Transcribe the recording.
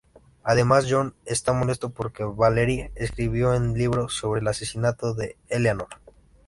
Además, John está molesto porque Valerie escribió en libro sobre el asesinato de Eleanor.